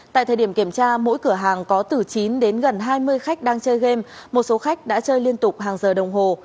tại thời điểm kiểm tra mỗi cửa hàng có từ chín đến gần hai mươi khách đang chơi game một số khách đã chơi liên tục hàng giờ đồng hồ